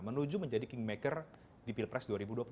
menuju menjadi kingmaker di pilpres dua ribu dua puluh